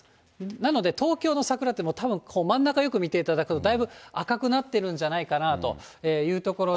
なので、東京の桜って、もうたぶん、真ん中よく見ていただくと、だいぶ赤くなっているんじゃないかなというところで。